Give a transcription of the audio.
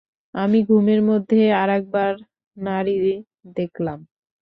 আমি ঘুমের মধ্যে আরেকবার নাড়ি দেখলাম।